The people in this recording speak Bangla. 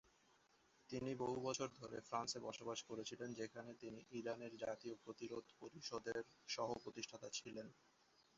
তিনি বহু বছর ধরে ফ্রান্সে বসবাস করেছিলেন যেখানে তিনি ইরানের জাতীয় প্রতিরোধ পরিষদের সহ-প্রতিষ্ঠাতা ছিলেন।